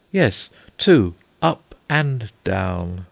"Yes, two; up and down."